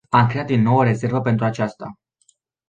Am creat din nou o rezervă pentru aceasta.